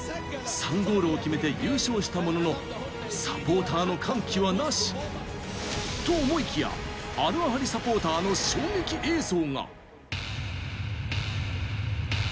３ゴールを決めて優勝したものの、サポーターの歓喜はなし。と思いきやアルアハリサポーターの衝撃映像が。